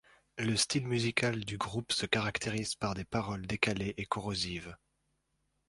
Le style musical du groupe se caractérise par des paroles décalées et corrosives.